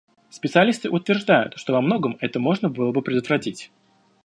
Специалисты утверждают, что во многом это можно было бы предотвратить.